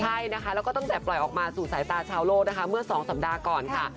ใช่นะคะแล้วก็ตั้งแต่ปล่อยออกมาสู่สายตาชาวโลกนะคะเมื่อ๒สัปดาห์ก่อนค่ะ